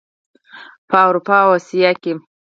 په اروپا او اسیا کې.